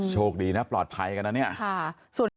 โชคดีนะปลอดภัยกันนะเนี่ย